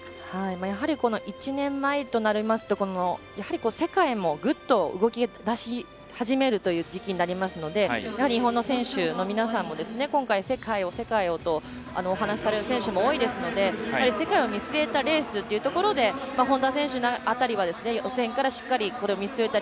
やはり１年前となりますとやはり、世界も、ぐっと動き出し始めるという時期になりますので日本の選手の皆さんも今回世界をとお話される選手も多いですので、世界を見据えたレースっていうところで本多選手辺りは予選からしっかりこれを見据えた